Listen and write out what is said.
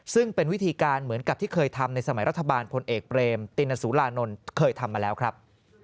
ซึ่งเป็นวิธีการเหมือนกับที่เคยทำในสมัยรัฐบาลพลเอกเบรมตินสุรานนท์เคยทำมาแล้วครับ